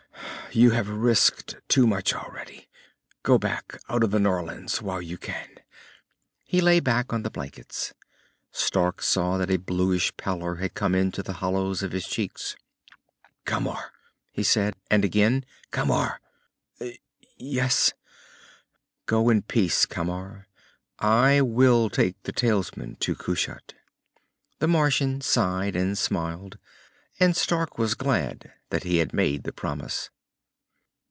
You have risked too much already. Go back, out of the Norlands, while you can." He lay back on the blankets. Stark saw that a bluish pallor had come into the hollows of his cheeks. "Camar," he said. And again, "Camar!" "Yes?" "Go in peace, Camar. I will take the talisman to Kushat." The Martian sighed, and smiled, and Stark was glad that he had made the promise.